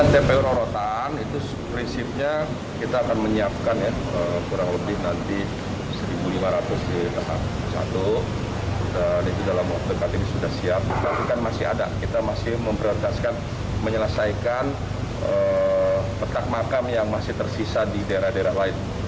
tersisa di daerah daerah lain